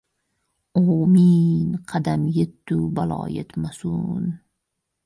— Ovmin! Qadam yettu balo yetmasun!